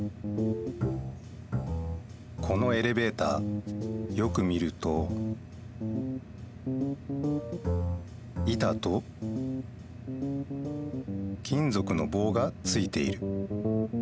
このエレベーターよく見ると板と金ぞくの棒がついている。